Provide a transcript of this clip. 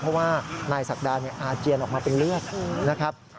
เพราะว่านายศักดาอาเจียนออกมาเป็นเลือดนะครับ